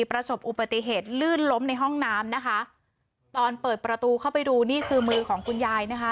ประสบอุปติเหตุลื่นล้มในห้องน้ำนะคะตอนเปิดประตูเข้าไปดูนี่คือมือของคุณยายนะคะ